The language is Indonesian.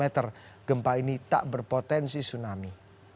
agar gempa ini tak berpotensi tsunami